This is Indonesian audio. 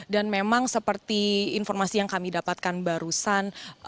dan memang seperti informasi yang kami dapatkan barusan